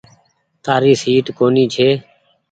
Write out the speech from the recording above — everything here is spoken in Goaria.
تآري سيٽ ڪونيٚ ڇي۔